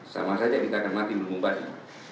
sama saja kita akan mati melumbung badi